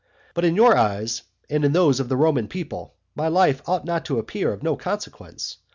But in your eyes and in those of the Roman people my life ought not to appear of no consequence.